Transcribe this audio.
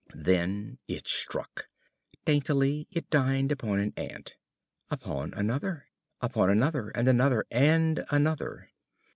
Then it struck. Daintily, it dined upon an ant. Upon another. Upon another and another and another.